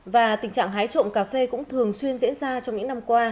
và tình trạng hái trộm cà phê cũng thường xuyên diễn ra trong những năm qua